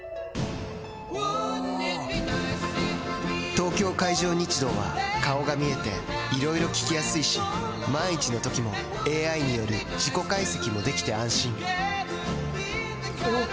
東京海上日動は顔が見えていろいろ聞きやすいし万一のときもＡＩによる事故解析もできて安心おぉ！